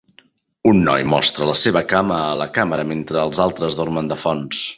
Un noi mostra la seva cama a la càmera mentre els altres dormen de fons.